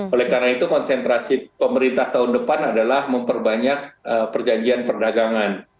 oleh karena itu konsentrasi pemerintah tahun depan adalah memperbanyak perjanjian perdagangan